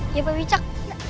iya pak wicak